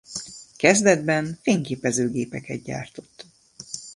Kezdetben fényképezőgépeket gyártott.